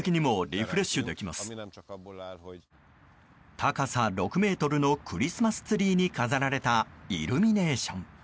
高さ６ｍのクリスマスツリーに飾られたイルミネーション。